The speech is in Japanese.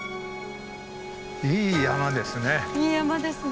いい山ですね。